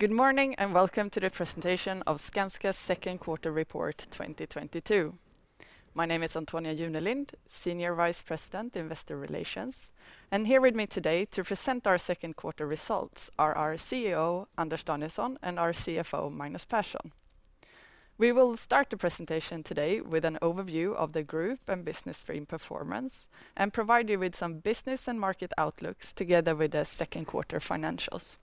Good morning, welcome to the presentation of Skanska's second quarter report 2022. My name is Antonia Junelind, Senior Vice President, Investor Relations. Here with me today to present our second quarter results are our CEO, Anders Danielsson, and our CFO, Magnus Persson. We will start the presentation today with an overview of the group and business stream performance and provide you with some business and market outlooks together with the second quarter financials.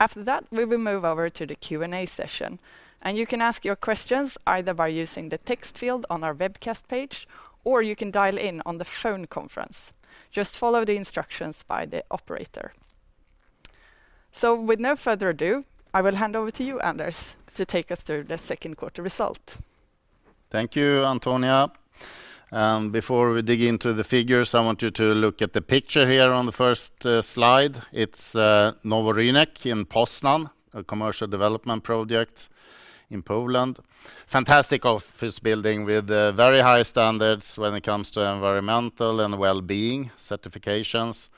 After that, we will move over to the Q&A session, and you can ask your questions either by using the text field on our webcast page, or you can dial in on the phone conference. Just follow the instructions by the operator. With no further ado, I will hand over to you, Anders, to take us through the second quarter result. Thank you, Antonia. Before we dig into the figures, I want you to look at the picture here on the first slide. It's Nowy Rynek in Poznań, a Commercial Development project in Poland. Fantastic office building with very high standards when it comes to environmental and well-being certifications.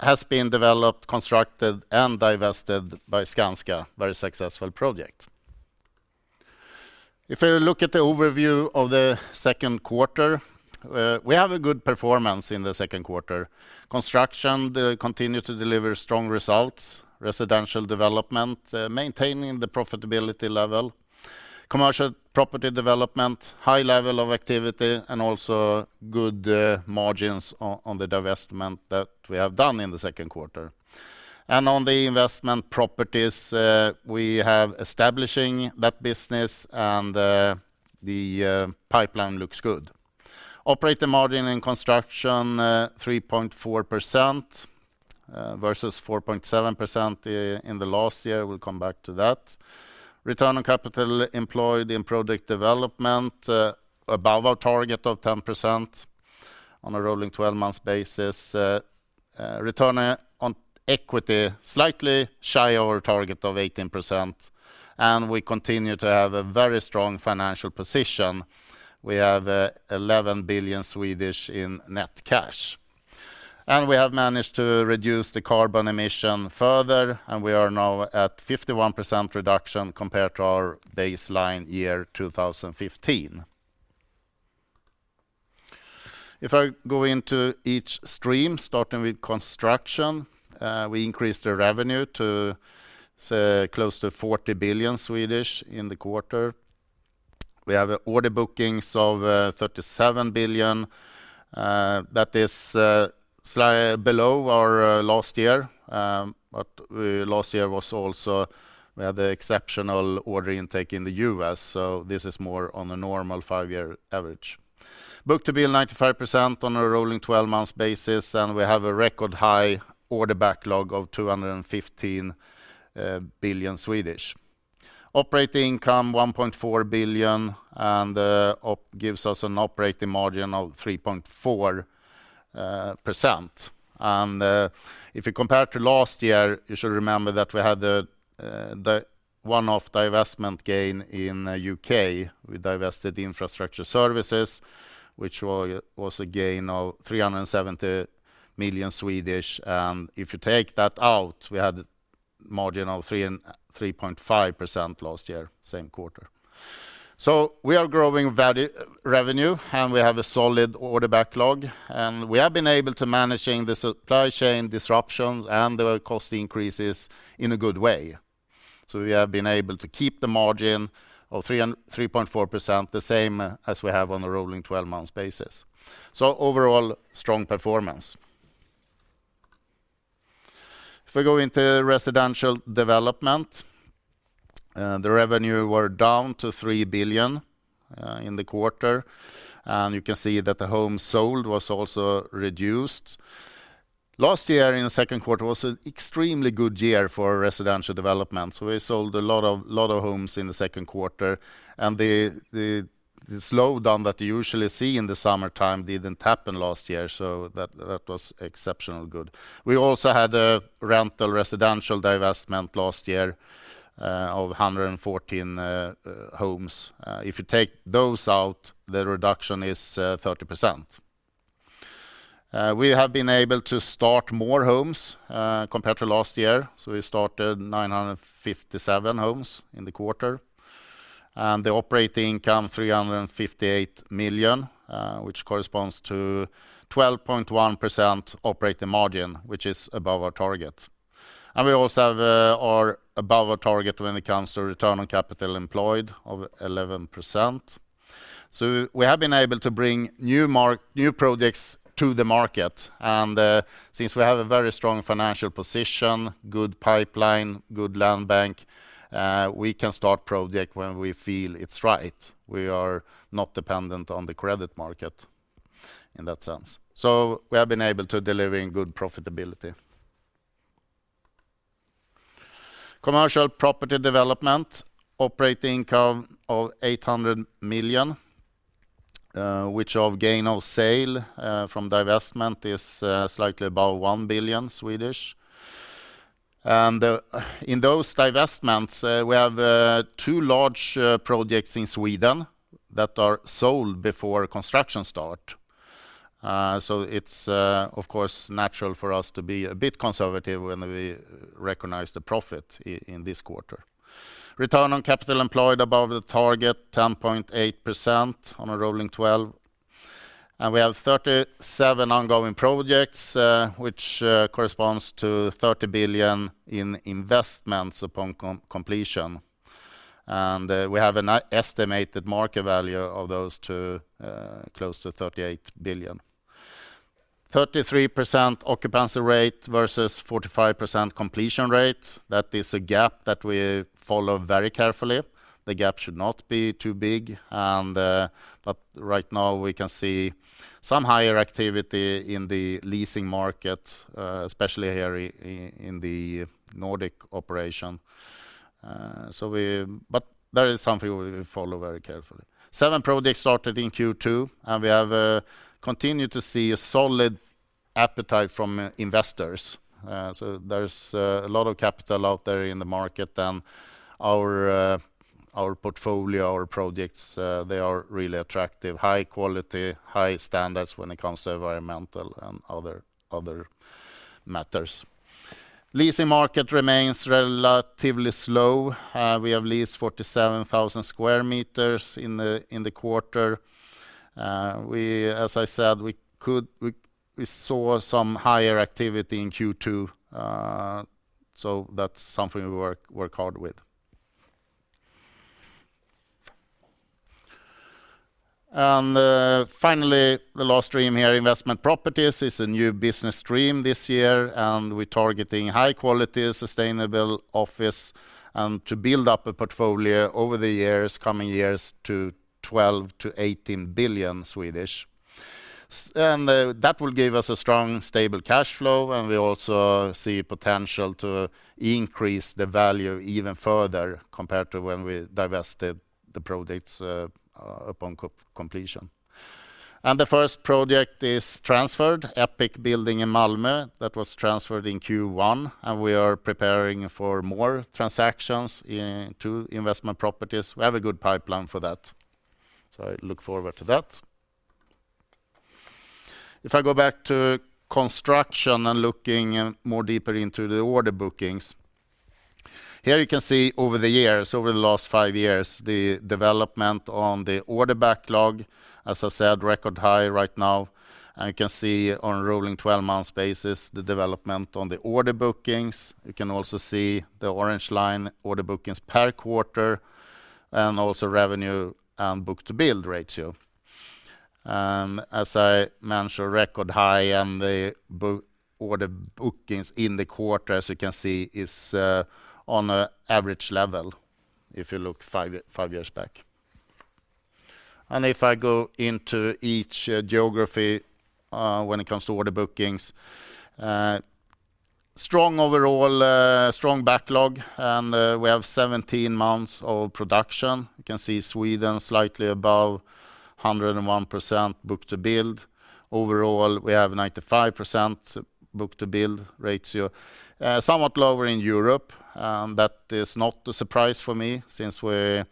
Has been developed, constructed, and divested by Skanska, very successful project. If you look at the overview of the second quarter, we have a good performance in the second quarter. Construction continue to deliver strong results. Residential Development maintaining the profitability level. Commercial Property Development, high level of activity, and also good margins on the divestment that we have done in the second quarter. On the Investment Properties, we have establishing that business and the pipeline looks good. Operating margin in Construction, 3.4%, versus 4.7% in the last year. We'll come back to that. Return on capital employed in product development, above our target of 10% on a rolling 12-month basis. Return on equity, slightly shy our target of 18%, and we continue to have a very strong financial position. We have 11 billion in net cash. We have managed to reduce the carbon emission further, and we are now at 51% reduction compared to our baseline year, 2015. If I go into each stream, starting with Construction, we increased the revenue to, say, close to 40 billion in the quarter. We have order bookings of 37 billion. That is slightly below our last year, but last year was also, we had the exceptional order intake in the U.S., so this is more on a normal five-year average. Book-to-bill, 95% on a rolling 12-month basis, and we have a record high order backlog of 215 billion. Operating income, 1.4 billion, and gives us an operating margin of 3.4%. If you compare to last year, you should remember that we had the one-off divestment gain in U.K. We divested the infrastructure services, which was a gain of 370 million. If you take that out, we had a margin of 3.5% last year, same quarter. We are growing our revenue, and we have a solid order backlog, and we have been able to manage the supply chain disruptions and the cost increases in a good way. We have been able to keep the margin of 3.4% the same as we have on a rolling 12-month basis. Overall, strong performance. If we go into Residential Development, the revenue was down to 3 billion in the quarter, and you can see that the homes sold was also reduced. Last year in the second quarter was an extremely good year for Residential Development. We sold a lot of homes in the second quarter, and the slowdown that you usually see in the summertime didn't happen last year, that was exceptionally good. We also had a rental residential divestment last year of 114 homes. If you take those out, the reduction is 30%. We have been able to start more homes compared to last year. We started 957 homes in the quarter. The operating income, 358 million, which corresponds to 12.1% operating margin, which is above our target. We also have are above our target when it comes to return on capital employed of 11%. We have been able to bring new projects to the market. Since we have a very strong financial position, good pipeline, good land bank, we can start project when we feel it's right. We are not dependent on the credit market in that sense. We have been able to delivering good profitability. Commercial Property Development, operating income of 800 million with gain on sale from divestment slightly above 1 billion. In those divestments, we have two large projects in Sweden that are sold before construction start. It's of course natural for us to be a bit conservative when we recognize the profit in this quarter. Return on capital employed above the target 10.8% on a rolling 12. We have 37 ongoing projects, which corresponds to 30 billion in investments upon completion. We have an estimated market value of those close to 38 billion. 33% occupancy rate versus 45% completion rate. That is a gap that we follow very carefully. The gap should not be too big. Right now we can see some higher activity in the leasing market, especially here in the Nordic operation. That is something we follow very carefully. Seven projects started in Q2, and we have continued to see a solid appetite from investors. There's a lot of capital out there in the market, and our portfolio, our projects, they are really attractive. High quality, high standards when it comes to environmental and other matters. Leasing market remains relatively slow. We have leased 47,000 square meters in the quarter. As I said, we saw some higher activity in Q2, so that's something we work hard with. Finally, the last stream here, Investment Properties, is a new business stream this year, and we're targeting high quality, sustainable office, and to build up a portfolio over the years, coming years to 12 billion-18 billion. That will give us a strong, stable cash flow, and we also see potential to increase the value even further compared to when we divested the projects, upon completion. The first project is transferred, Epic building in Malmö. That was transferred in Q1, and we are preparing for more transactions to Investment Properties. We have a good pipeline for that. I look forward to that. If I go back to Construction and looking more deeper into the order bookings, here you can see over the years, over the last five years, the development on the order backlog, as I said, record high right now. You can see on a rolling 12-month basis the development on the order bookings. You can also see the orange line order bookings per quarter, and also revenue and book-to-bill ratio. As I mentioned, record high on order bookings in the quarter, as you can see, is on an average level if you look five years back. If I go into each geography, when it comes to order bookings, strong overall, strong backlog, and we have 17 months of production. You can see Sweden slightly above 101% book-to-bill. Overall, we have 95% book-to-bill ratio. Somewhat lower in Europe, but that's not a surprise for me since we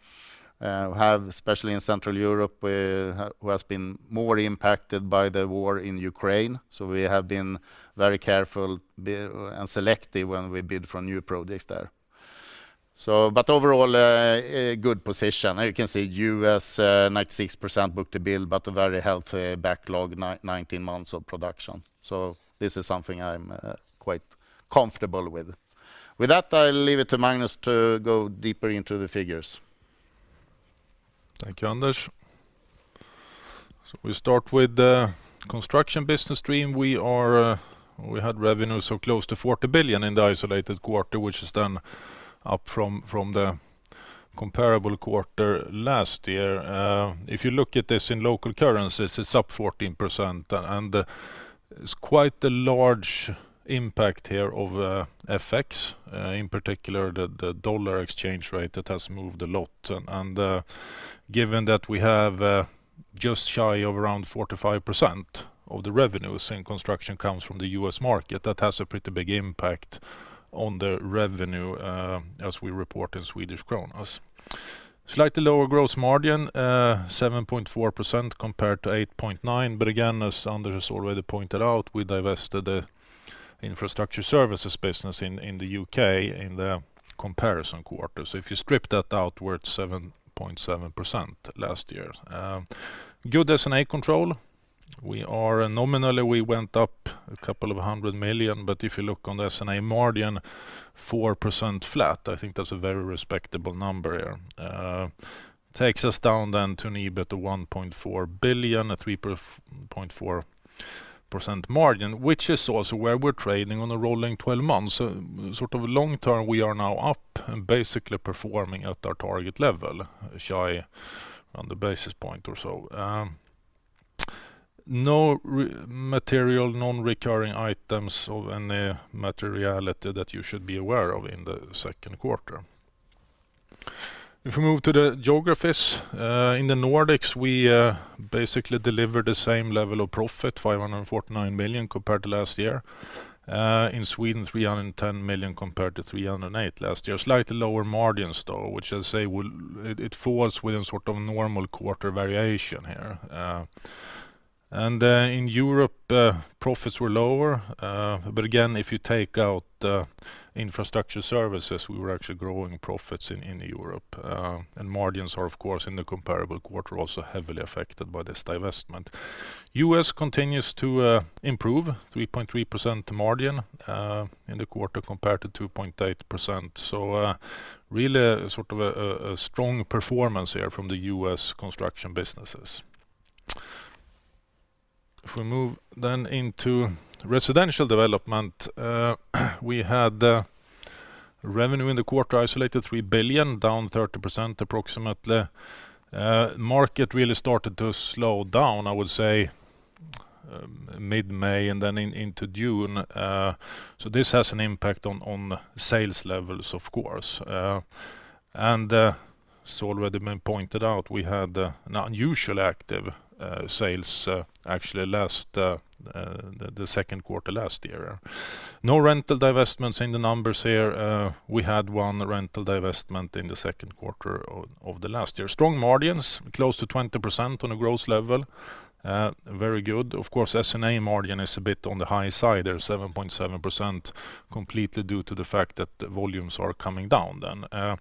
have, especially in Central Europe, have been more impacted by the war in Ukraine. We have been very careful and selective when we bid for new projects there. Overall, a good position. You can see U.S. 96% book-to-bill, but a very healthy backlog, 19 months of production. This is something I'm quite comfortable with. With that, I'll leave it to Magnus to go deeper into the figures. Thank you, Anders. We start with the Construction business stream. We had revenues of close to 40 billion in the isolated quarter, which is then up from the comparable quarter last year. If you look at this in local currencies, it's up 14%. And it's quite a large impact here of FX, in particular the dollar exchange rate that has moved a lot. And given that we have just shy of around 45% of the revenues in Construction comes from the U.S. market, that has a pretty big impact on the revenue as we report in Swedish krona. Slightly lower gross margin, 7.4% compared to 8.9%. Again, as Anders has already pointed out, we divested the infrastructure services business in the U.K. in the comparison quarter. If you strip that outlier 7.7% last year. Good S&A control. We are nominally went up a couple of 100 million, but if you look on the S&A margin, 4% flat. I think that's a very respectable number here. Takes us down to an EBIT of 1.4 billion, a 3.4% margin, which is also where we're trading on a rolling 12 months. Sort of long term, we are now up and basically performing at our target level, shy of a basis point or so. No material non-recurring items of any materiality that you should be aware of in the second quarter. If we move to the geographies, in the Nordics, we basically delivered the same level of profit, 549 million compared to last year. In Sweden, 310 million compared to 308 million last year. Slightly lower margins though, which falls within sort of normal quarter variation here. In Europe, profits were lower. Again, if you take out infrastructure services, we were actually growing profits in Europe. Margins are of course in the comparable quarter also heavily affected by this divestment. U.S. continues to improve 3.3% margin in the quarter compared to 2.8%. Really sort of a strong performance here from the U.S. Construction businesses. If we move then into Residential Development, we had revenue in the quarter of 3 billion, down approximately 30%. Market really started to slow down, I would say, mid-May and then into June. This has an impact on sales levels, of course. It's already been pointed out, we had an unusually active sales actually in the second quarter last year. No rental divestments in the numbers here. We had one rental divestment in the second quarter of last year. Strong margins, close to 20% on a gross level, very good. Of course, S&A margin is a bit on the high side there, 7.7%, completely due to the fact that the volumes are coming down then.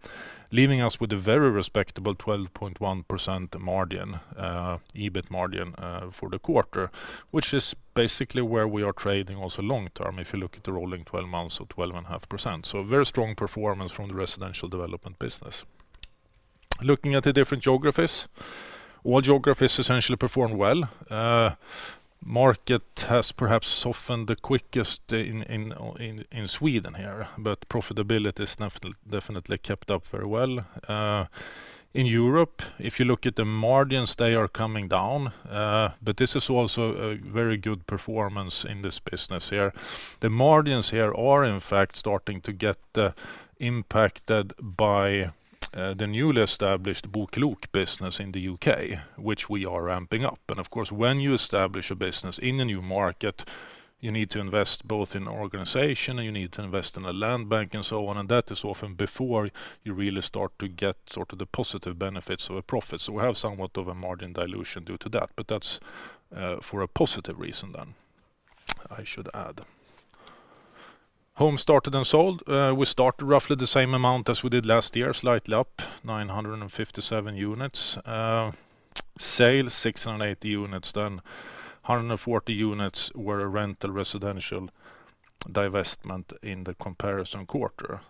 Leaving us with a very respectable 12.1% margin, EBIT margin, for the quarter, which is basically where we are trading also long-term, if you look at the rolling 12 months or 12.5%. A very strong performance from the Residential Development business. Looking at the different geographies, all geographies essentially perform well. Market has perhaps softened the quickest in Sweden here, but profitability has definitely kept up very well. In Europe, if you look at the margins, they are coming down, but this is also a very good performance in this business here. The margins here are in fact starting to get impacted by the newly established BoKlok business in the U.K., which we are ramping up. Of course, when you establish a business in a new market, you need to invest both in organization, and you need to invest in a land bank and so on, and that is often before you really start to get sort of the positive benefits of a profit. We have somewhat of a margin dilution due to that, but that's for a positive reason then, I should add. Homes started and sold, we started roughly the same amount as we did last year, slightly up, 957 units. Sales, 680 units, then 140 units were a rental residential divestment in the comparison quarter.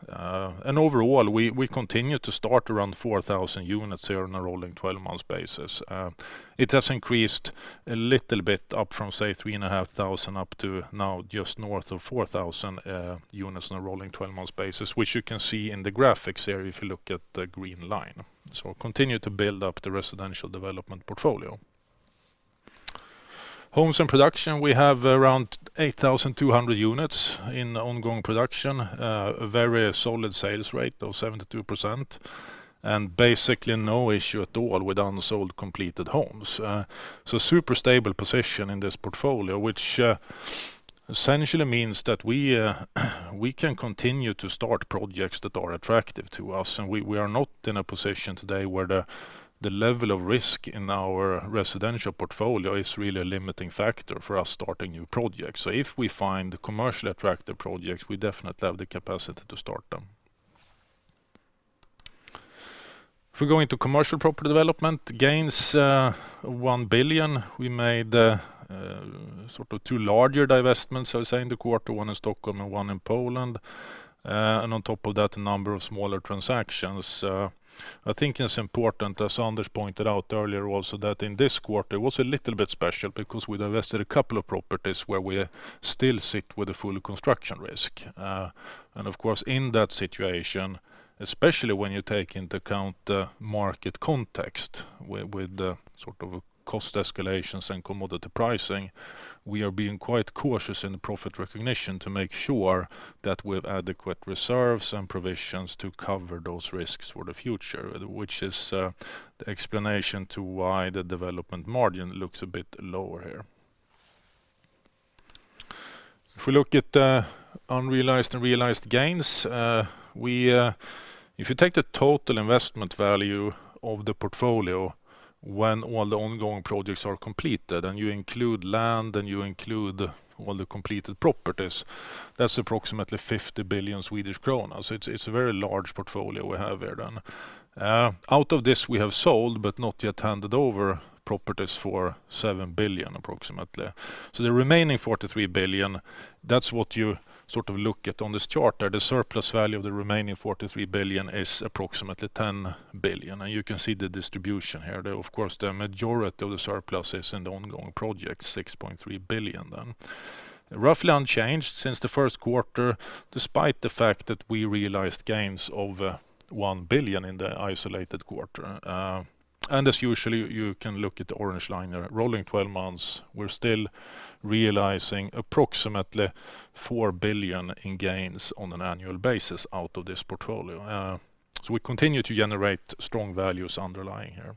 Overall, we continue to start around 4,000 units here on a rolling 12-month basis. It has increased a little bit up from, say, 3,500 up to now just north of 4,000 units on a rolling 12-month basis, which you can see in the graphics here if you look at the green line. Continue to build up the Residential Development portfolio. Homes in production, we have around 8,200 units in ongoing production, a very solid sales rate of 72%, and basically no issue at all with unsold completed homes. Super stable position in this portfolio, which essentially means that we can continue to start projects that are attractive to us, and we are not in a position today where the level of risk in our residential portfolio is really a limiting factor for us starting new projects. If we find commercially attractive projects, we definitely have the capacity to start them. If we go into Commercial Property Development, gains, 1 billion. We made sort of two larger divestments, I would say, in the quarter, one in Stockholm and one in Poland, and on top of that, a number of smaller transactions. I think it's important, as Anders pointed out earlier also, that in this quarter, it was a little bit special because we divested a couple of properties where we still sit with a full construction risk. Of course, in that situation, especially when you take into account the market context with the sort of cost escalations and commodity pricing, we are being quite cautious in the profit recognition to make sure that we have adequate reserves and provisions to cover those risks for the future, which is the explanation as to why the development margin looks a bit lower here. If we look at unrealized and realized gains, if you take the total investment value of the portfolio when all the ongoing projects are completed, and you include land, and you include all the completed properties, that's approximately 50 billion Swedish kronor. It's a very large portfolio we have here then. Out of this, we have sold but not yet handed over properties for approximately 7 billion. The remaining 43 billion, that's what you sort of look at on this chart there. The surplus value of the remaining 43 billion is approximately 10 billion, and you can see the distribution here. Though, of course, the majority of the surplus is in the ongoing project, 6.3 billion then. Roughly unchanged since the first quarter, despite the fact that we realized gains of 1 billion in this quarter. And as usual, you can look at the orange line there. Rolling 12 months, we're still realizing approximately 4 billion in gains on an annual basis out of this portfolio. We continue to generate strong values underlying here.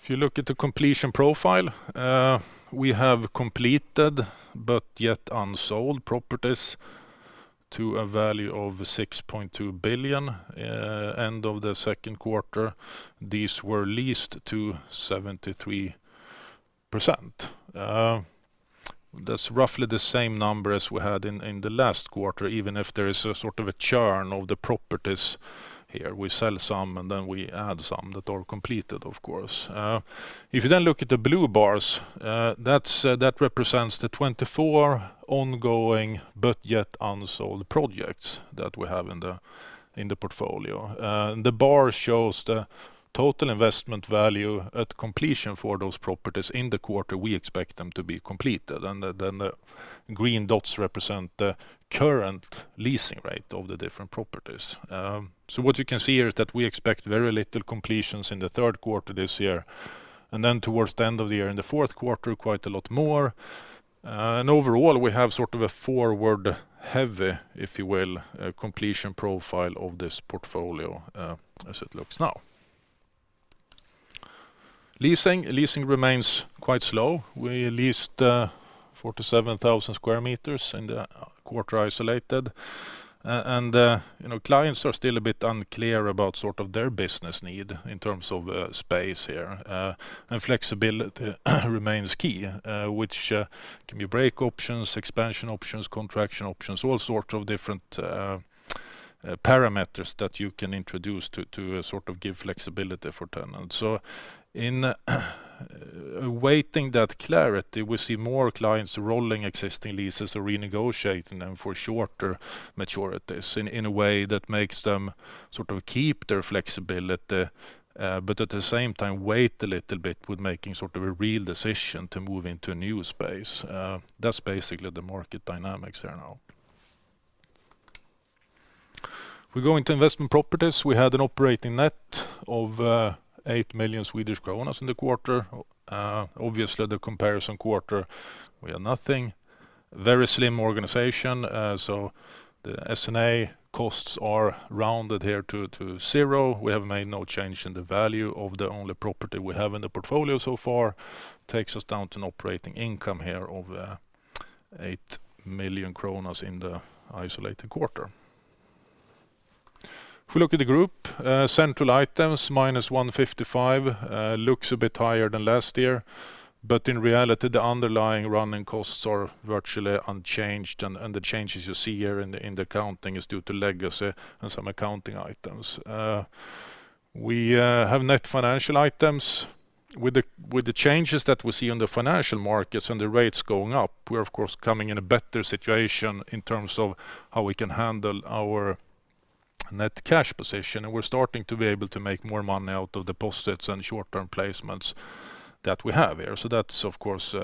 If you look at the completion profile, we have completed but yet unsold properties to a value of 6.2 billion, end of the second quarter, these were leased to 73%, that's roughly the same number as we had in the last quarter, even if there is a sort of a churn of the properties here. We sell some, and then we add some that are completed, of course. If you then look at the blue bars, that's that represents the 24 ongoing but yet unsold projects that we have in the portfolio. The bar shows the total investment value at completion for those properties in the quarter we expect them to be completed. Then the green dots represent the current leasing rate of the different properties. What you can see here is that we expect very little completions in the third quarter this year, and then towards the end of the year, in the fourth quarter, quite a lot more. Overall, we have sort of a forward-heavy, if you will, completion profile of this portfolio, as it looks now. Leasing remains quite slow. We leased 47,000 square meters in the quarter isolated. You know, clients are still a bit unclear about sort of their business need in terms of space here, and flexibility remains key, which can be break options, expansion options, contraction options, all sorts of different parameters that you can introduce to sort of give flexibility for tenants. In awaiting that clarity, we see more clients rolling existing leases or renegotiating them for shorter maturities in a way that makes them sort of keep their flexibility, but at the same time wait a little bit with making sort of a real decision to move into a new space. That's basically the market dynamics there now. If we go into Investment Properties, we had an operating net of 8 million Swedish kronor in the quarter. Obviously, the comparison quarter, we had nothing. Very slim organization, so the S&A costs are rounded here to zero. We have made no change in the value of the only property we have in the portfolio so far. Takes us down to an operating income here of 8 million kronor in the isolated quarter. If we look at the group central items, -155, looks a bit higher than last year, but in reality, the underlying running costs are virtually unchanged. The changes you see here in the accounting is due to legacy and some accounting items. We have net financial items. With the changes that we see on the financial markets and the rates going up, we're of course coming in a better situation in terms of how we can handle our net cash position, and we're starting to be able to make more money out of deposits and short-term placements that we have here. That's of course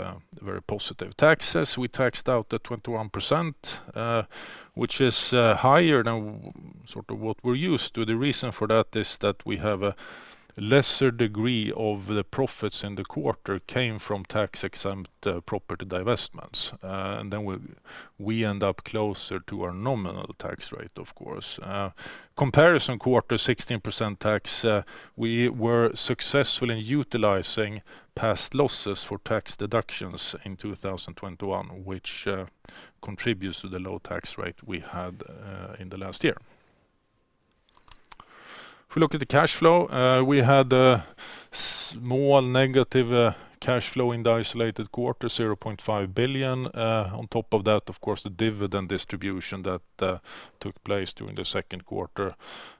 very positive. Taxes, we taxed out at 21%, which is higher than sort of what we're used to. The reason for that is that we have a lesser degree of the profits in the quarter came from tax-exempt property divestments. We end up closer to our nominal tax rate, of course. Comparison quarter, 16% tax, we were successful in utilizing past losses for tax deductions in 2021, which contributes to the low tax rate we had in the last year. If we look at the cash flow, we had a small negative cash flow in the isolated quarter, 0.5 billion. On top of that, of course, the dividend distribution that took place during the second quarter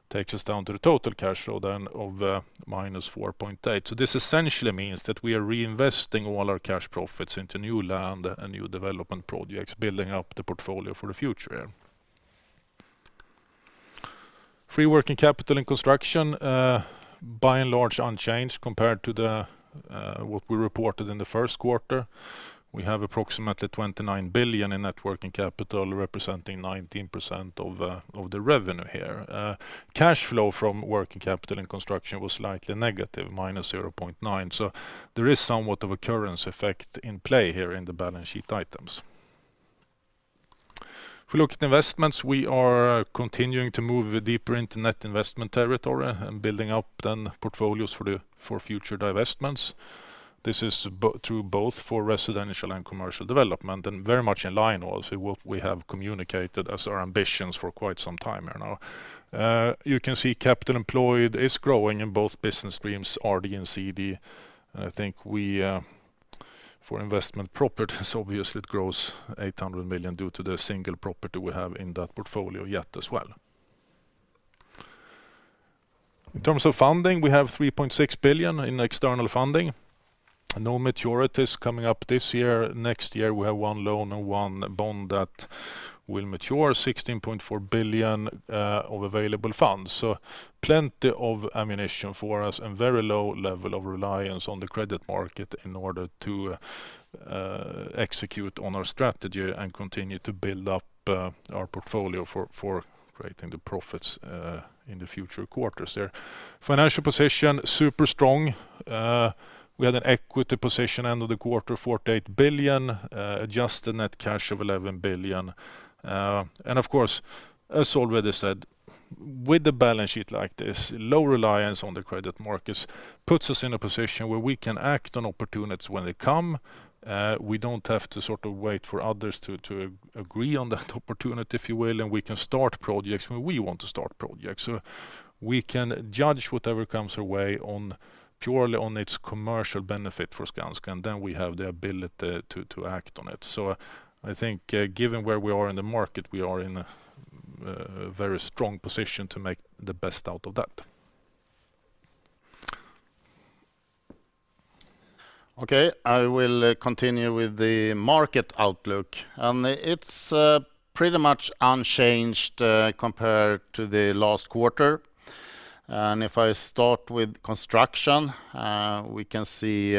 takes us down to the total cash flow then of -4.8 billion. This essentially means that we are reinvesting all our cash profits into new land and new development projects, building up the portfolio for the future. Free working capital and Construction by and large unchanged compared to what we reported in the first quarter. We have approximately 29 billion in net working capital, representing 19% of the revenue here. Cash flow from working capital and Construction was slightly negative, -0.9 billion, so there is somewhat of a currency effect in play here in the balance sheet items. If we look at investments, we are continuing to move deeper into net investment territory and building up the portfolios for future divestments. This is both for Residential and Commercial Development and very much in line with what we have communicated as our ambitions for quite some time here now. You can see capital employed is growing in both business streams, RD and CD. I think we, for Investment Properties, obviously, it grows 800 million due to the single property we have in that portfolio yet as well. In terms of funding, we have 3.6 billion in external funding. No maturities coming up this year. Next year, we have one loan and one bond that will mature 16.4 billion of available funds. Plenty of ammunition for us and very low level of reliance on the credit market in order to execute on our strategy and continue to build up our portfolio for creating the profits in the future quarters there. Financial position, super strong. We had an equity position end of the quarter, 48 billion, adjusted net cash of 11 billion. And of course, as already said, with the balance sheet like this, low reliance on the credit markets puts us in a position where we can act on opportunities when they come. We don't have to sort of wait for others to agree on that opportunity, if you will, and we can start projects when we want to start projects. We can judge whatever comes our way purely on its commercial benefit for Skanska, and then we have the ability to act on it. I think, given where we are in the market, we are in a very strong position to make the best out of that. Okay. I will continue with the market outlook. It's pretty much unchanged compared to the last quarter. If I start with Construction, we can see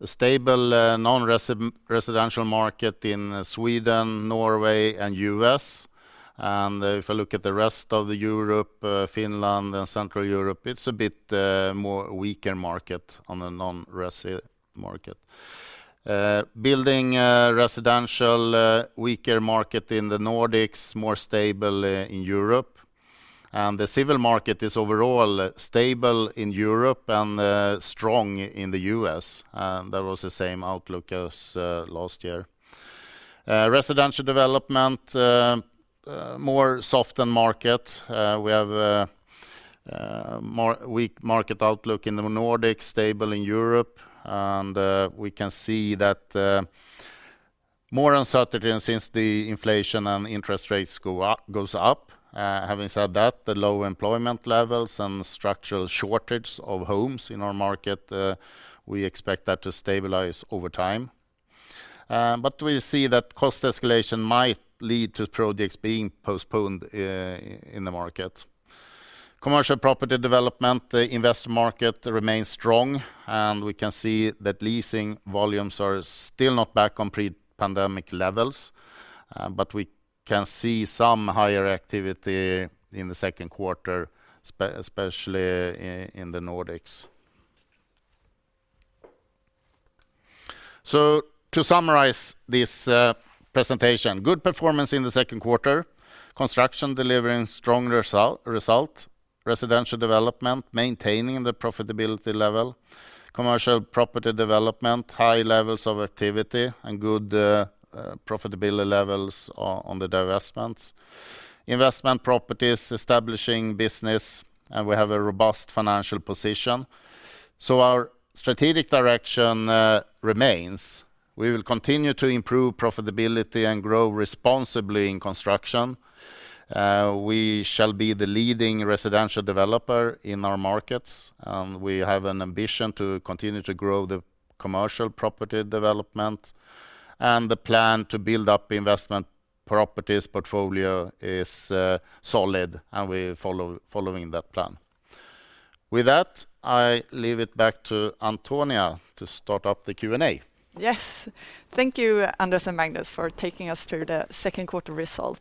a stable non-residential market in Sweden, Norway, and U.S. If I look at the rest of Europe, Finland and Central Europe, it's a bit more weaker market on a non-residential market. Building residential weaker market in the Nordics, more stable in Europe. The civil market is overall stable in Europe and strong in the U.S. That was the same outlook as last year. Residential Development more softer market. We have weak market outlook in the Nordics, stable in Europe. We can see that more uncertainty since the inflation and interest rates go up. Having said that, the low employment levels and structural shortage of homes in our market, we expect that to stabilize over time. We see that cost escalation might lead to projects being postponed in the market. Commercial Property Development, the investment market remains strong, and we can see that leasing volumes are still not back on pre-pandemic levels. We can see some higher activity in the second quarter, especially in the Nordics. To summarize this presentation, good performance in the second quarter. Construction delivering strong result. Residential Development maintaining the profitability level. Commercial Property Development, high levels of activity and good profitability levels on the divestments. Investment Properties establishing business, and we have a robust financial position. Our strategic direction remains. We will continue to improve profitability and grow responsibly in Construction. We shall be the leading residential developer in our markets, and we have an ambition to continue to grow the Commercial Property Development. The plan to build up Investment Properties portfolio is solid, and we are following that plan. With that, I leave it back to Antonia to start up the Q&A. Yes. Thank you, Anders and Magnus, for taking us through the second quarter result.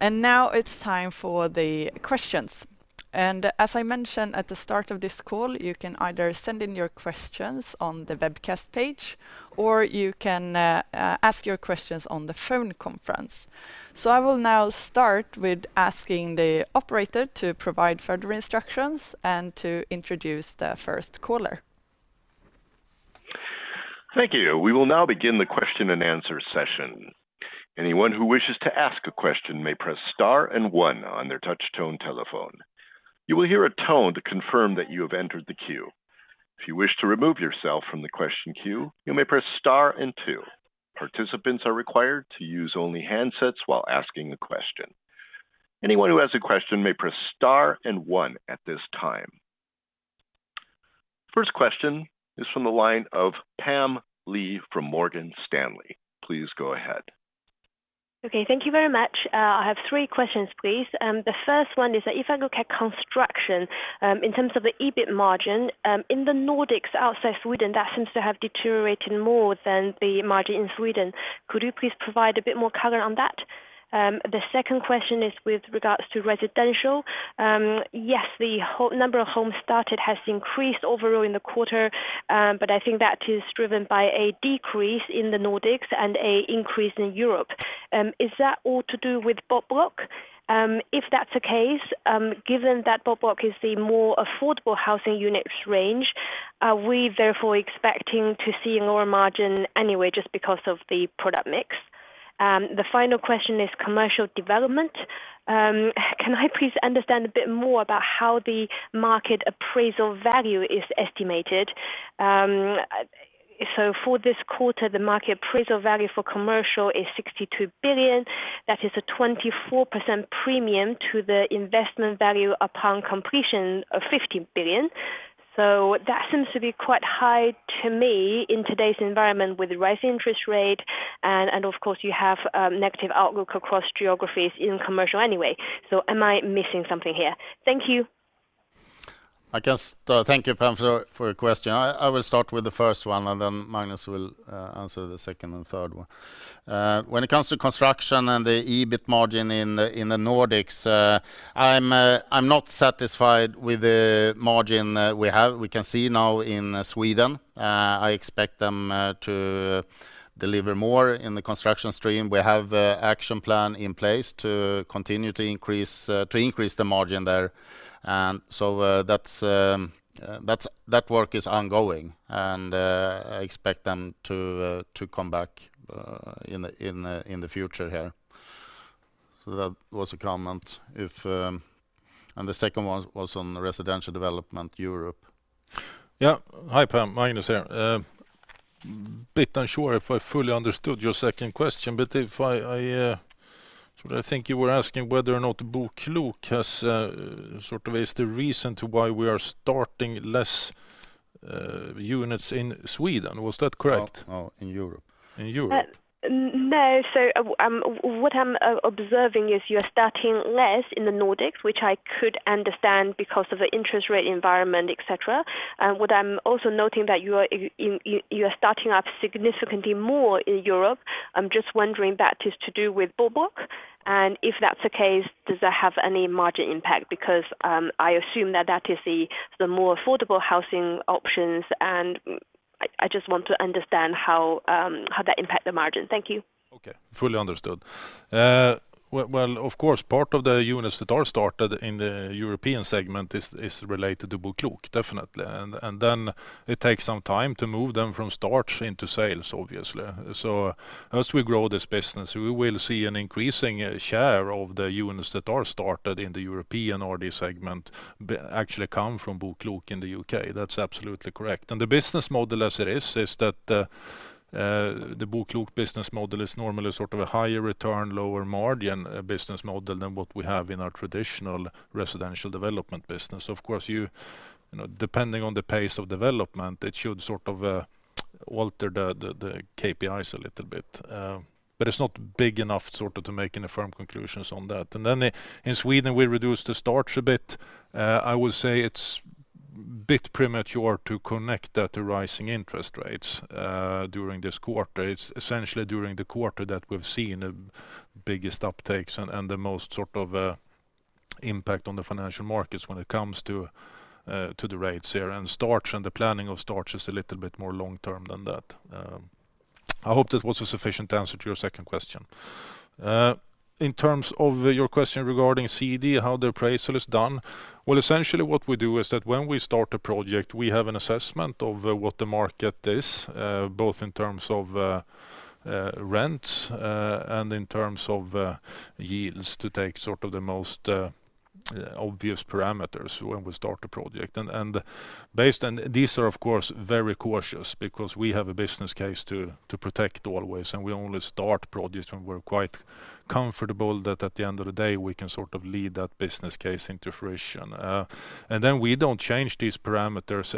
Now it's time for the questions. As I mentioned at the start of this call, you can either send in your questions on the webcast page, or you can ask your questions on the phone conference. I will now start with asking the operator to provide further instructions and to introduce the first caller. Thank you. We will now begin the question-and-answer session. Anyone who wishes to ask a question may press star and one on their touch-tone telephone. You will hear a tone to confirm that you have entered the queue. If you wish to remove yourself from the question queue, you may press star and two. Participants are required to use only handsets while asking the question. Anyone who has a question may press star and one at this time. First question is from the line of Pam Liu from Morgan Stanley. Please go ahead. Okay, thank you very much. I have three questions, please. The first one is if I look at Construction, in terms of the EBIT margin, in the Nordics, outside Sweden, that seems to have deteriorated more than the margin in Sweden. Could you please provide a bit more color on that? The second question is with regards to residential. Yes, the number of homes started has increased overall in the quarter, but I think that is driven by a decrease in the Nordics and an increase in Europe. Is that all to do with BoKlok? If that's the case, given that BoKlok is the more affordable housing units range, are we therefore expecting to see a lower margin anyway just because of the product mix? The final question is Commercial Development. Can I please understand a bit more about how the market appraisal value is estimated? For this quarter, the market appraisal value for commercial is 62 billion. That is a 24% premium to the investment value upon completion of 50 billion. That seems to be quite high to me in today's environment with the rising interest rate and of course you have negative outlook across geographies in commercial anyway. Am I missing something here? Thank you. Thank you, Pam, for your question. I will start with the first one, and then Magnus will answer the second and third one. When it comes to Construction and the EBIT margin in the Nordics, I'm not satisfied with the margin we have, we can see now in Sweden. I expect them to deliver more in the Construction stream. We have an action plan in place to continue to increase the margin there. That's that work is ongoing and I expect them to come back in the future here. That was a comment if. The second one was on Residential Development Europe. Yeah. Hi, Pam, Magnus here. Bit unsure if I fully understood your second question, but if I sort of think you were asking whether or not BoKlok has sort of is the reason to why we are starting less units in Sweden. Was that correct? No, no, in Europe. In Europe? No. What I'm observing is you are starting less in the Nordics, which I could understand because of the interest rate environment, etc. What I'm also noting is that you are starting up significantly more in Europe. I'm just wondering if that is to do with BoKlok, and if that's the case, does that have any margin impact? Because I assume that is the more affordable housing options, and I just want to understand how that impact the margin. Thank you. Okay. Fully understood. Well, of course, part of the units that are started in the European segment is related to BoKlok, definitely. Then it takes some time to move them from start into sales, obviously. As we grow this business, we will see an increasing share of the units that are started in the European RD segment actually come from BoKlok in the U.K. That's absolutely correct. The business model as it is that the BoKlok business model is normally sort of a higher return, lower margin business model than what we have in our traditional Residential Development business. Of course, you know, depending on the pace of development, it should sort of alter the KPIs a little bit. But it's not big enough sort of to make any firm conclusions on that. In Sweden, we reduced the starts a bit. I would say it's a bit premature to connect that to rising interest rates during this quarter. It's essentially during the quarter that we've seen the biggest uptakes and the most sort of impact on the financial markets when it comes to to the rates here. Starts and the planning of starts is a little bit more long-term than that. I hope that was a sufficient answer to your second question. In terms of your question regarding CD, how the appraisal is done. Well, essentially what we do is that when we start a project, we have an assessment of what the market is, both in terms of rents, and in terms of yields to take sort of the most obvious parameters when we start a project. These are, of course, very cautious because we have a business case to protect always, and we only start projects when we're quite comfortable that at the end of the day, we can sort of lead that business case into fruition. We don't change these parameters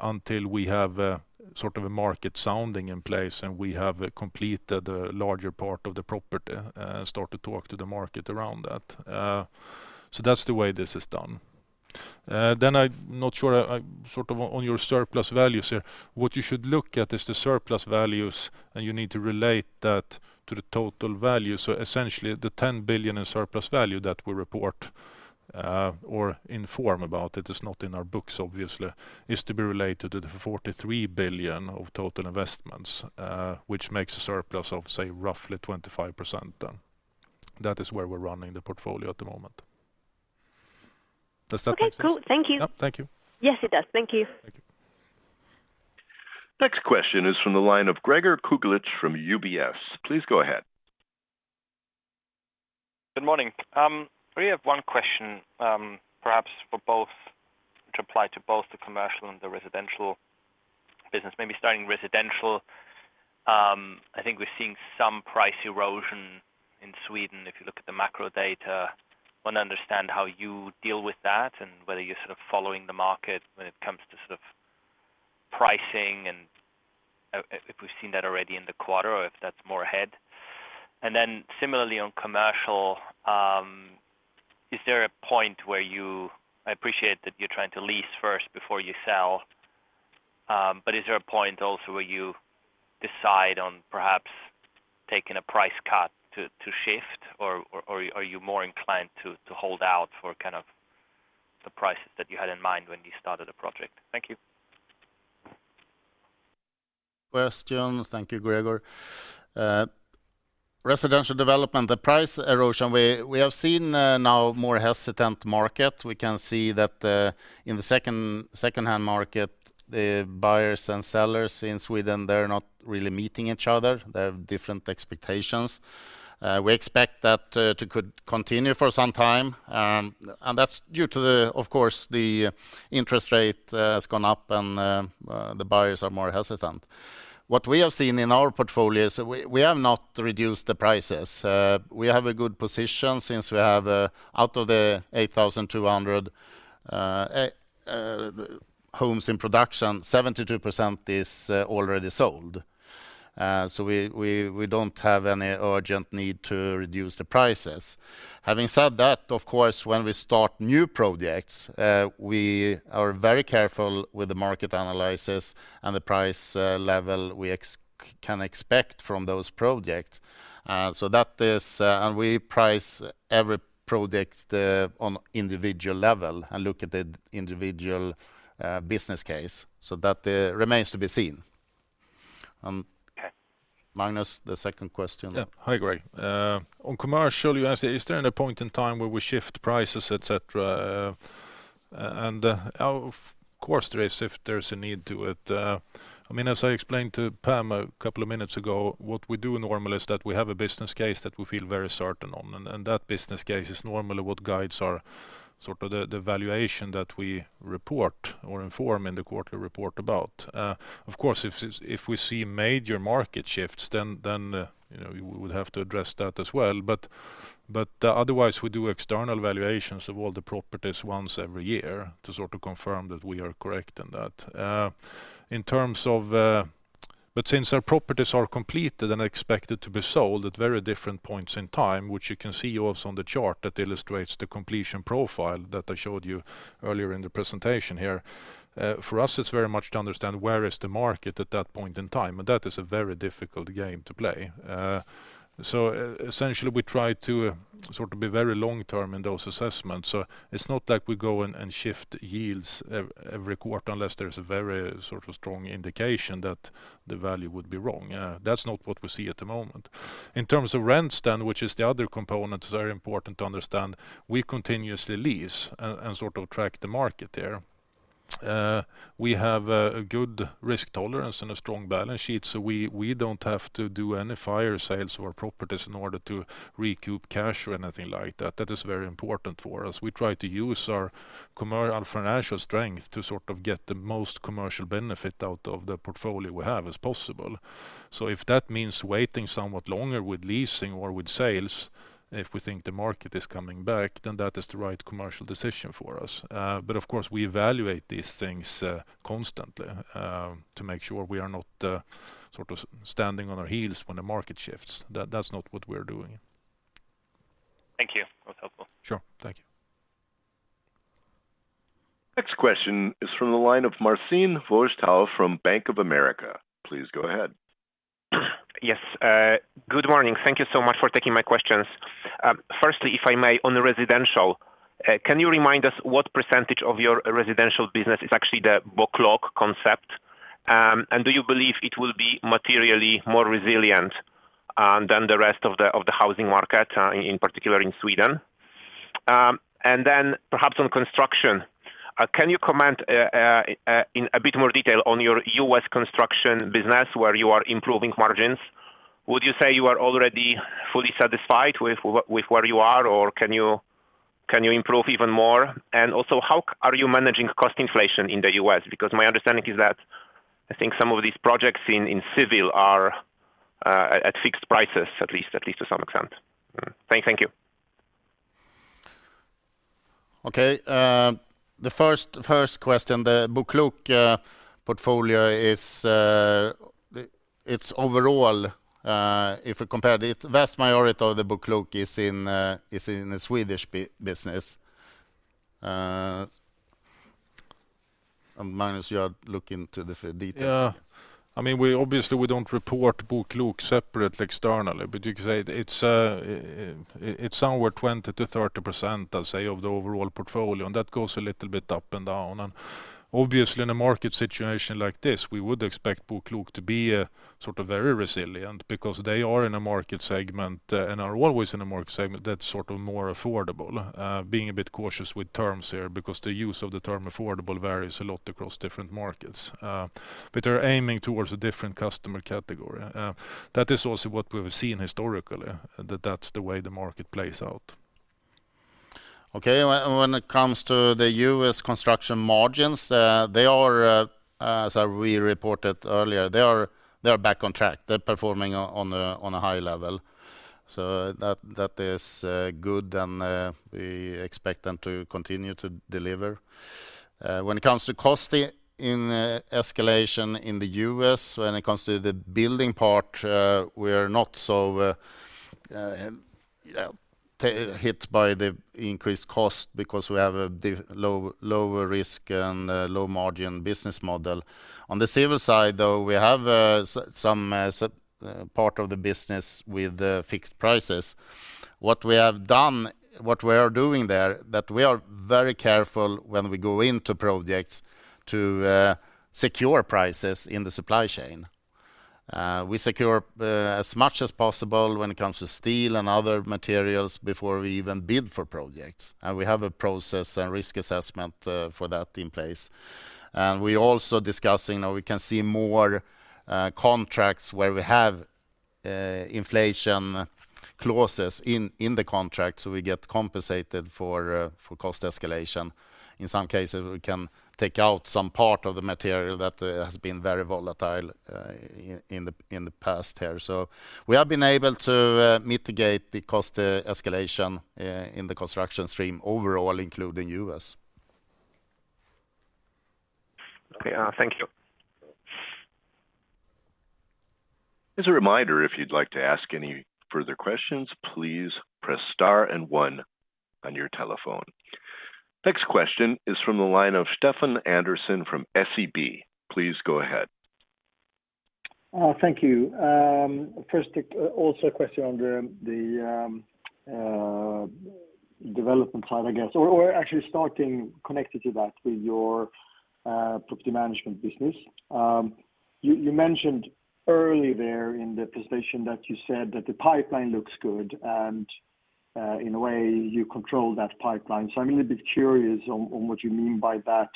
until we have a sort of a market sounding in place and we have completed a larger part of the property, start to talk to the market around that. That's the way this is done. I'm not sure. I sort of on your surplus values here, what you should look at is the surplus values, and you need to relate that to the total value. Essentially, the 10 billion in surplus value that we report or inform about, it is not in our books obviously, is to be related to the 43 billion of total investments, which makes a surplus of, say, roughly 25% then. That is where we're running the portfolio at the moment. Does that make sense? Okay, cool. Thank you. Yeah. Thank you. Yes, it does. Thank you. Thank you. Next question is from the line of Gregor Kuglitsch from UBS. Please go ahead. Good morning. I only have one question, perhaps for both to apply to both the commercial and the residential business. Maybe starting residential. I think we're seeing some price erosion in Sweden if you look at the macro data. Want to understand how you deal with that, and whether you're sort of following the market when it comes to sort of pricing, and if we've seen that already in the quarter or if that's more ahead. Then similarly on commercial, is there a point where you appreciate that you're trying to lease first before you sell, but is there a point also where you decide on perhaps taking a price cut to shift or are you more inclined to hold out for kind of the prices that you had in mind when you started a project? Thank you. Thank you, Gregor. Residential Development, the price erosion. We have seen now more hesitant market. We can see that in the second-hand market, the buyers and sellers in Sweden, they're not really meeting each other. They have different expectations. We expect that to continue for some time. That's due to the, of course, the interest rate has gone up, and the buyers are more hesitant. What we have seen in our portfolio is we have not reduced the prices. We have a good position since we have out of the 8,200 homes in production, 72% is already sold. We don't have any urgent need to reduce the prices. Having said that, of course, when we start new projects, we are very careful with the market analysis and the price level we can expect from those projects. That is, we price every project on individual level and look at the individual business case. That remains to be seen. Okay. Magnus, the second question. Yeah. Hi, Gregor. On commercial, you asked, is there any point in time where we shift prices, etc? Of course there is if there's a need to it. I mean, as I explained to Pam a couple of minutes ago, what we do normally is that we have a business case that we feel very certain on, and that business case is normally what guides our sort of the valuation that we report or inform in the quarterly report about. Of course, if we see major market shifts, then you know, we would have to address that as well. Otherwise, we do external valuations of all the properties once every year to sort of confirm that we are correct in that. Since our properties are completed and expected to be sold at very different points in time, which you can see also on the chart that illustrates the completion profile that I showed you earlier in the presentation here, for us, it's very much to understand where is the market at that point in time, and that is a very difficult game to play. Essentially, we try to sort of be very long-term in those assessments. It's not like we go and shift yields every quarter unless there's a very sort of strong indication that the value would be wrong. That's not what we see at the moment. In terms of rents then, which is the other component that's very important to understand, we continuously lease and sort of track the market there. We have a good risk tolerance and a strong balance sheet, so we don't have to do any fire sales of our properties in order to recoup cash or anything like that. That is very important for us. We try to use our financial strength to sort of get the most commercial benefit out of the portfolio we have as possible. If that means waiting somewhat longer with leasing or with sales, if we think the market is coming back, then that is the right commercial decision for us. Of course, we evaluate these things constantly to make sure we are not sort of standing on our heels when the market shifts. That's not what we're doing. Thank you. That was helpful. Sure, thank you. Next question is from the line of Marcin Wojtal from Bank of America. Please go ahead. Yes. Good morning. Thank you so much for taking my questions. Firstly, if I may, on the residential, can you remind us what percentage of your residential business is actually the BoKlok concept? And do you believe it will be materially more resilient than the rest of the housing market, in particular in Sweden? And then perhaps on Construction, can you comment in a bit more detail on your U.S. Construction business where you are improving margins? Would you say you are already fully satisfied with where you are, or can you improve even more? Also, how are you managing cost inflation in the U.S.? Because my understanding is that I think some of these projects in civil are at fixed prices, at least to some extent. Thank you. Okay. The first question, the BoKlok portfolio is, it's overall, if we compare it, vast majority of the BoKlok is in the Swedish business. Magnus, you are looking to the fine details. Yeah. I mean, we obviously don't report BoKlok separately externally, but you could say it's somewhere 20%-30%, I'll say, of the overall portfolio, and that goes a little bit up and down. Obviously in a market situation like this, we would expect BoKlok to be sort of very resilient because they are in a market segment and are always in a market segment that's sort of more affordable. Being a bit cautious with terms here because the use of the term affordable varies a lot across different markets. But they're aiming towards a different customer category. That is also what we've seen historically, that that's the way the market plays out. Okay. When it comes to the U.S. Construction margins, as we reported earlier, they are back on track. They're performing on a high level. That is good, and we expect them to continue to deliver. When it comes to cost escalation in the U.S., when it comes to the building part, we are not so hit by the increased cost because we have a lower risk and a low margin business model. On the civil side, though, we have some part of the business with the fixed prices. What we have done, what we are doing there, that we are very careful when we go into projects to secure prices in the supply chain. We secure as much as possible when it comes to steel and other materials before we even bid for projects. We have a process and risk assessment for that in place. We're also discussing, or we can see more contracts where we have inflation clauses in the contract, so we get compensated for cost escalation. In some cases, we can take out some part of the material that has been very volatile in the past here. We have been able to mitigate the cost escalation in the Construction stream overall, including U.S. Okay. Thank you. As a reminder, if you'd like to ask any further questions, please press star and one on your telephone. Next question is from the line of Stefan Andersson from SEB. Please go ahead. Thank you. First, also a question on the development side, I guess. Or actually starting connected to that with your Property Management business. You mentioned early there in the presentation that you said that the pipeline looks good and, in a way you control that pipeline. I'm a little bit curious on what you mean by that.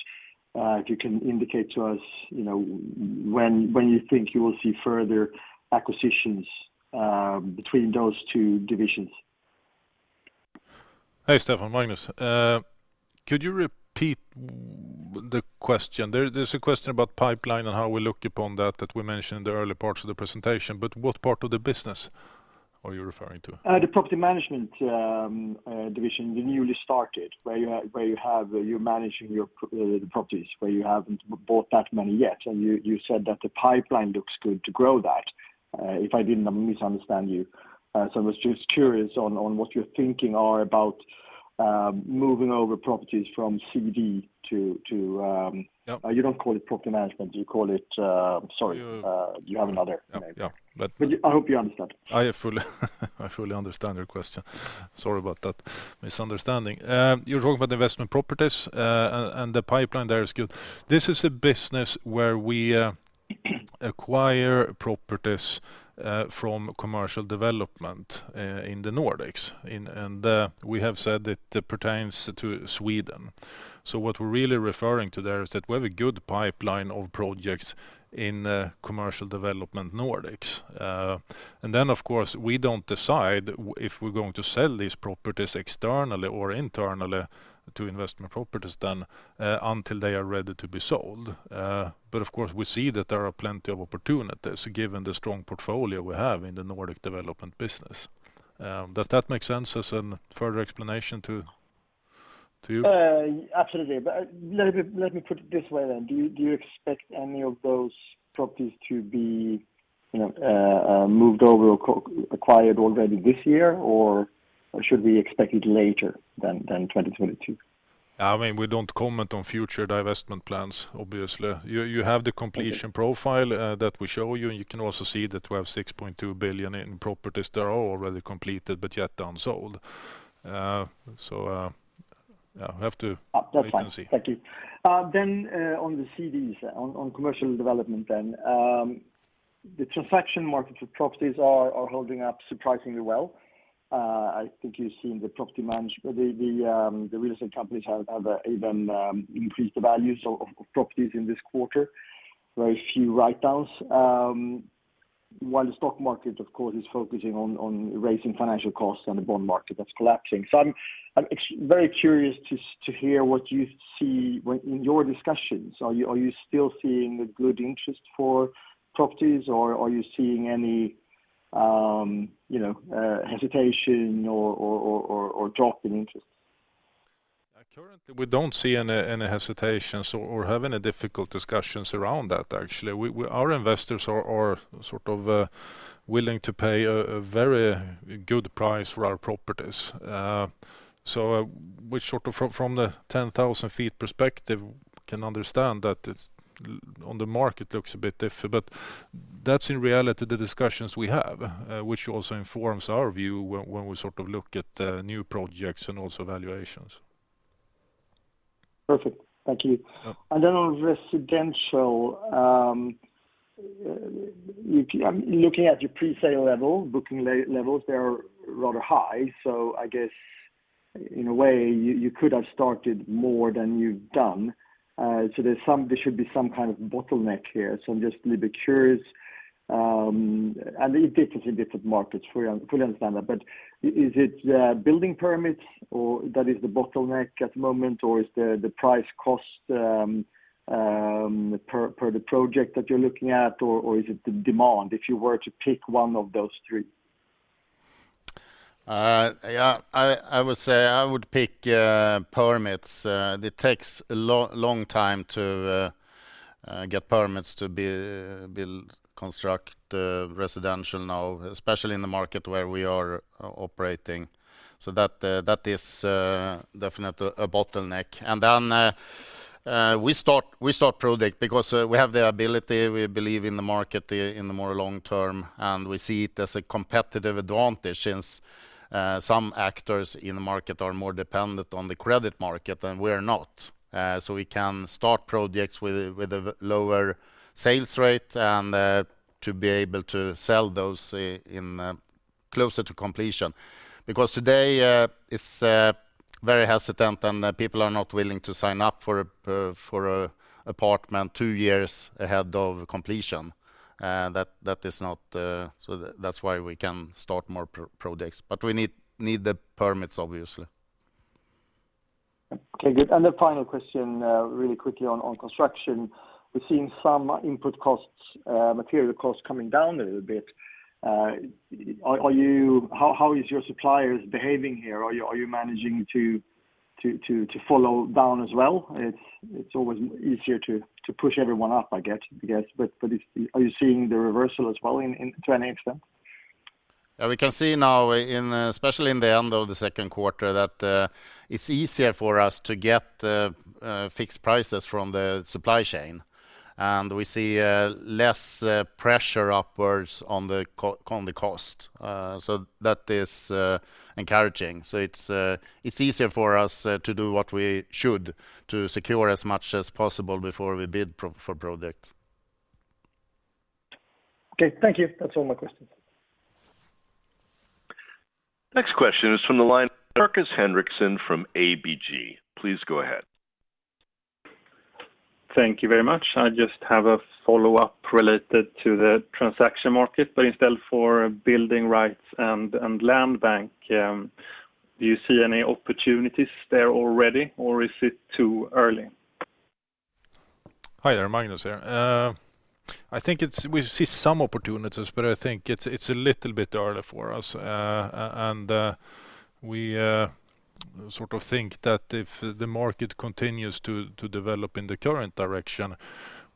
If you can indicate to us, you know, when you think you will see further acquisitions, between those two divisions. Hey, Stefan, Magnus here. Could you repeat the question? There's a question about pipeline and how we look upon that we mentioned in the early parts of the presentation, but what part of the business are you referring to? The Property Management division, the newly started, where you have. You're managing the properties, where you haven't bought that many yet. You said that the pipeline looks good to grow that, if I didn't misunderstand you. I was just curious on what your thinking are about moving over properties from CD to, you don't call it Property Management, you call it, sorry. You have another name. I hope you understand. I fully understand your question. Sorry about that misunderstanding. You're talking about Investment Properties. And the pipeline there is good. This is a business where we acquire properties from Commercial Development in the Nordics. We have said that it pertains to Sweden. What we're really referring to there is that we have a good pipeline of projects in Commercial Development Nordics. And then of course, we don't decide if we're going to sell these properties externally or internally to Investment Properties then until they are ready to be sold. Of course we see that there are plenty of opportunities given the strong portfolio we have in the Nordic development business. Does that make sense as a further explanation to you? Absolutely. Let me put it this way then. Do you expect any of those properties to be, you know, moved over or co-acquired already this year? Or should we expect it later than 2022? I mean, we don't comment on future divestment plans, obviously. You have the completion profile that we show you, and you can also see that we have 6.2 billion in properties that are already completed but yet unsold. So, yeah, we have to wait and see. That's fine, thank you. On the CDs on Commercial Development. The transaction market for properties are holding up surprisingly well. I think you've seen the real estate companies have even increased the values of properties in this quarter. Very few write-downs while the stock market, of course, is focusing on raising financial costs and the bond market that's collapsing. I'm extremely curious to hear what you see in your discussions. Are you still seeing a good interest for properties or are you seeing any, you know, hesitation or drop in interest? Currently we don't see any hesitations or having a difficult discussions around that actually. Our investors are sort of willing to pay a very good price for our properties. We sort of from the 10,000-foot perspective can understand that it's on the market looks a bit different. That's in reality the discussions we have, which also informs our view when we sort of look at new projects and also valuations. Perfect, thank you. On residential, looking at your presale level, booking levels, they're rather high. I guess in a way you could have started more than you've done. There should be some kind of bottleneck here. I'm just a little bit curious, and it differs in different markets. I fully understand that. Is it building permits or that is the bottleneck at the moment, or is the price cost per the project that you're looking at, or is it the demand, if you were to pick one of those three? I would say I would pick permits. It takes a long time to get permits to construct residential now, especially in the market where we are operating. That is definitely a bottleneck. We start projects because we have the ability, we believe in the market in the longer term, and we see it as a competitive advantage since some actors in the market are more dependent on the credit market and we're not. We can start projects with a lower sales rate and to be able to sell those in closer to completion. Because today it's very hesitant and people are not willing to sign up for an apartment two years ahead of completion. That's why we can start more projects, but we need the permits obviously. Okay, good. The final question, really quickly on Construction. We've seen some input costs, material costs coming down a little bit. How is your suppliers behaving here? Are you managing to follow down as well? It's always easier to push everyone up, I get that, I guess. But are you seeing the reversal as well in it to any extent? Yeah, we can see now, especially in the end of the second quarter, that it's easier for us to get fixed prices from the supply chain. We see less pressure upwards on the cost. That is encouraging. It's easier for us to do what we should to secure as much as possible before we bid for projects. Okay, thank you. That's all my questions. Next question is from the line, Markus Henriksson from ABG. Please go ahead. Thank you very much. I just have a follow-up related to the transaction market, but instead for building rights and land bank, do you see any opportunities there already or is it too early? Hi there. Magnus here. I think we see some opportunities, but I think it's a little bit early for us. And we sort of think that if the market continues to develop in the current direction,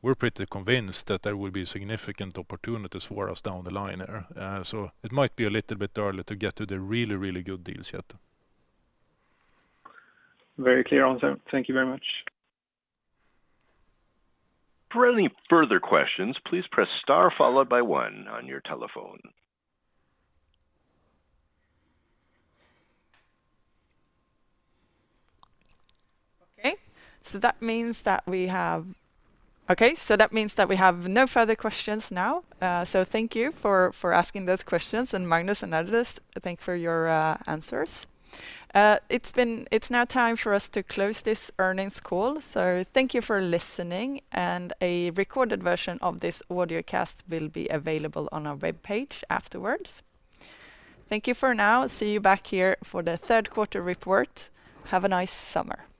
we're pretty convinced that there will be significant opportunities for us down the line there. It might be a little bit early to get to the really, really good deals yet. Very clear on that. Thank you very much. For any further questions, please press star followed by one on your telephone. That means that we have no further questions now. Thank you for asking those questions. Magnus and Anders, thanks for your answers. It's now time for us to close this earnings call. Thank you for listening, and a recorded version of this audio cast will be available on our webpage afterwards. Thank you for now. See you back here for the third quarter report. Have a nice summer.